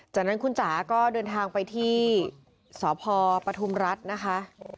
จากนั้นคุณจ๋าก็เดินทางไปที่สพปฐุมรัฐนะคะ